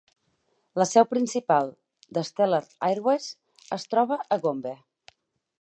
La seu principal de Stellar Airways es troba a Gombe.